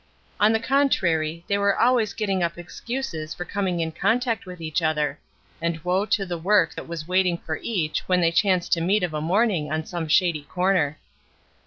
On the contrary, they were always getting up excuses for coming in contact with each other; and woe to the work that was waiting for each when they chanced to meet of a morning on some shady corner.